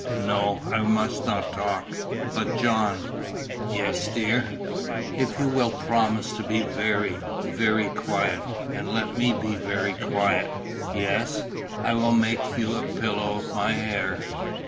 "No, I must not talk. But, John " "Yes, dear." "If you will promise to be very, very quiet, and let me be very quiet " "Yes." "I will make you a pillow of my hair."